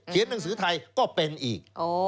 เขียนหนังสือไทยก็เป็นอีก